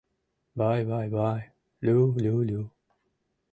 Бай-бай-бай, лю-лю-лю.